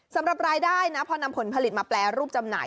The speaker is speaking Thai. สำหรับรายได้นะพอนำผลผลิตมาแปรรูปจำหน่าย